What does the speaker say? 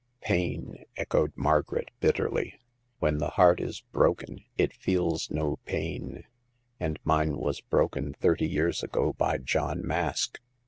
"Pain," echoed Margaret, bitterly. "When the heart is broken it feels no pain, and mine was broken thirty years ago by John Mask."